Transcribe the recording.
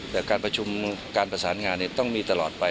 แต่การประชุมการประสานงานต้องมีตลอดไป